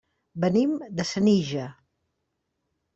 Venim de Senija.